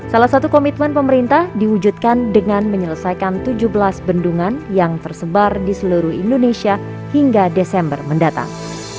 salah satu komitmen pemerintah diwujudkan dengan menyelesaikan tujuh belas bendungan yang tersebar di seluruh indonesia hingga desember mendatang